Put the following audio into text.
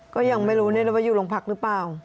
ก็ยังไม่รู้ว่าอยู่โรงพักหรือเปล่า